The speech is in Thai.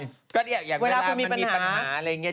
เวลามันมีปัญหา